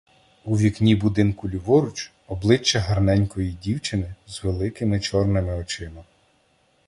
У вікні будинку ліворуч - обличчя гарненької дівчини з великими чорними очима.